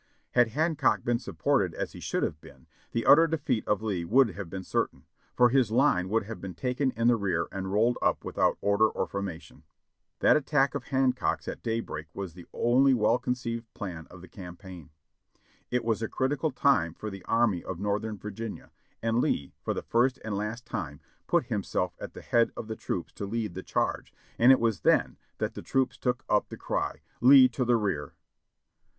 Had Hancock been supported as he should have been, the utter defeat of Lee would have been certain; for his line would have been taken in the rear and rolled up without order or formation. That attack of Hancock's at daj^break was the only well con ceived plan of the campaign. It was a critical time for the Army of Northern Virginia, and Lee, for the first and last time, put himself at the head of the troops to lead the charge, and it was then that the troops took up the cry, "Lee to the rear!"